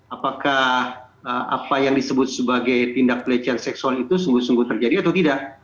apakah apa yang disebut sebagai tindak pelecehan seksual itu sungguh sungguh terjadi atau tidak